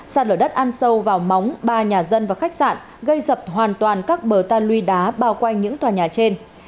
sạt lở đất ăn sâu vào móng ba nhà dân và khách sạn gây dập hoàn toàn các bờ ta luy đá bao quanh những tòa nhà trên